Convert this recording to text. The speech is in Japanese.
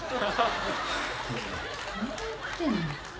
また言ってんの？